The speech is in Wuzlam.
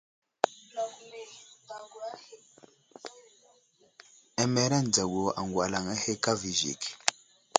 Amereŋ dzagu aŋgwalaŋ ahe kava i zik.